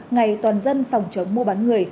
ngày toàn dân phòng chống mua bán người